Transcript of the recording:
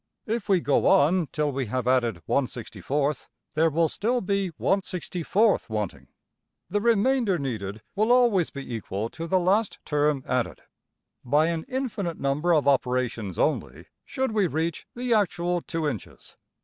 If we go on till we have added~$\frac$, there will still be $\frac$~wanting. The remainder needed will always be equal to the last term added. By an infinite number of operations only should we reach the actual $2$~inches.